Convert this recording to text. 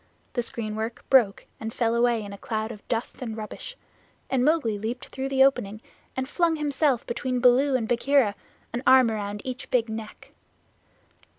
The screen work broke and fell away in a cloud of dust and rubbish, and Mowgli leaped through the opening and flung himself between Baloo and Bagheera an arm around each big neck.